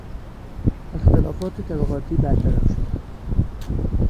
اختلافات طبقاتی برطرف شدند.